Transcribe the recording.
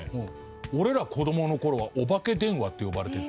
俺ら子供の頃はお化け電話って呼ばれてて。